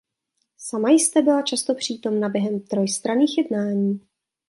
Sama jste byla často přítomna během trojstranných jednání.